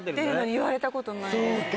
言われたことないですね。